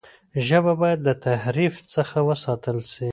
ژبه باید له تحریف څخه وساتل سي.